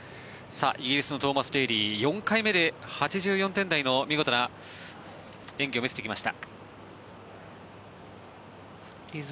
イギリスのトーマス・デーリー４回目で８４点台の見事な演技を見せてきました。